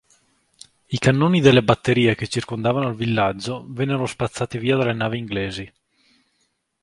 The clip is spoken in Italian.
I cannoni delle batterie che circondavano il villaggio vennero spazzati via dalle navi inglesi.